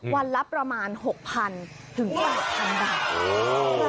วันละประมาณ๖๐๐๐ถึง๘๐๐บาท